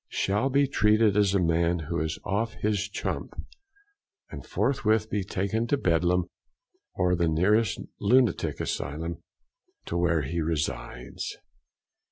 shall be treated as a man who is off his chump and forthwith be taken to Bedlam, or the nearest lunatic asylum to where he resides.